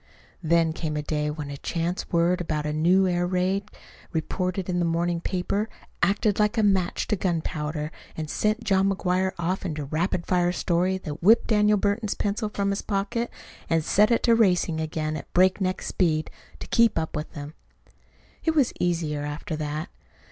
Then came a day when a chance word about a new air raid reported in the morning paper acted like a match to gunpowder, and sent John McGuire off into a rapid fire story that whipped Daniel Burton's pencil from his pocket and set it to racing again at breakneck speed to keep up with him. It was easier after that.